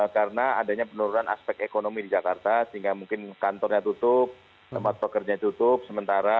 karena adanya penurunan aspek ekonomi di jakarta sehingga mungkin kantornya tutup tempat pekerja tutup sementara